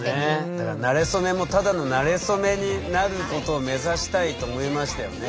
だからなれそめもただのなれそめになることを目指したいと思いましたよね。